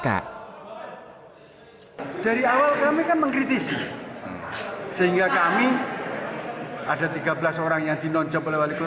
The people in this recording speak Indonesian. kami ada tiga belas orang yang dinonjolkan